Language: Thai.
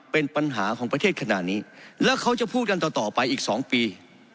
เป็นปัญหาของประเทศขนาดนี้แล้วเขาจะพูดกันต่อต่อไปอีก๒ปี